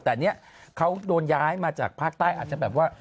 แต่เนี่ยเขาโดนย้ายมาจากภาคใต้อาจจะแบบว่า